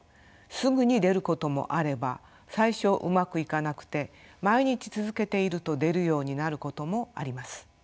すぐに出ることもあれば最初うまくいかなくて毎日続けていると出るようになることもあります。